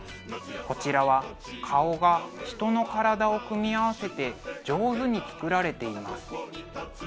こちらは顔が人の体を組み合わせて上手に作られています。